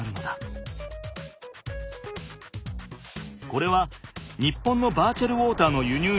これは日本のバーチャルウォーターの輸入量を表した地図。